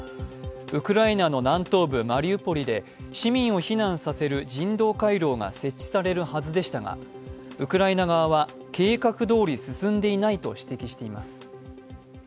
ウクライナの南東部マリウポリで市民を避難させる人道回廊が設置されるはずでしたが、ウクライナ側は計画どおり進んでいないと指摘しています。